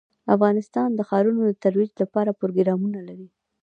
افغانستان د ښارونه د ترویج لپاره پروګرامونه لري.